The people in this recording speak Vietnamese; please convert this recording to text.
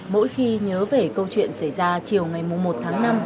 mỗi khi nhớ về câu chuyện xảy ra chiều ngày một tháng năm